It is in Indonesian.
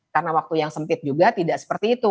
karena waktu yang sempit juga tidak seperti itu